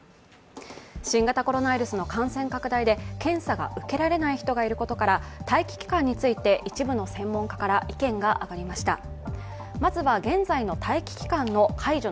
新型コロナウイルスの感染拡大で検査が受けられない人がいることから、待機期間について一部の専門家から意見が挙がりました。